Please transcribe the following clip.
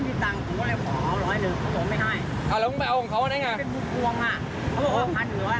ไม่ใช่ก็เขาบอกว่าไม่มีตังค์